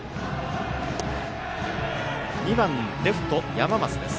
２番レフト、山増です。